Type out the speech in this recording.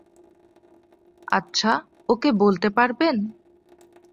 আচ্ছা, ওকে বলতে পারবেন?